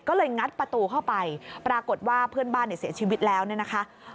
ก็เลยงัดประตูเข้าไปปรากฏว่าเพื่อนบ้านเนี่ยเสียชีวิตแล้วเนี่ยนะคะ